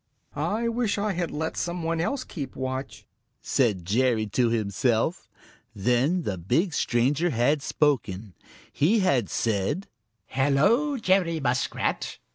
"I wish I had let some one else keep watch," said Jerry to himself. Then the big stranger had spoken. He had said: "Hello, Jerry Muskrat!